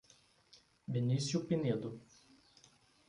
Benicio Pinedo